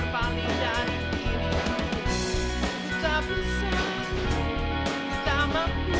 gak bisa hidup tanpa kamu